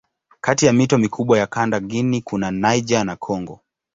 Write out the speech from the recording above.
Kati ya mito mikubwa ya kanda Guinea kuna Niger na Kongo.